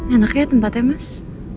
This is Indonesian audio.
enak ya tempatnya mas